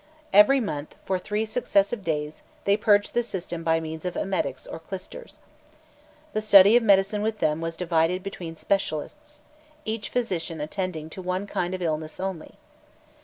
"Every month, for three successive days, they purged the system by means of emetics or clysters. The study of medicine with them was divided between specialists; each physician attending to one kind of illness only.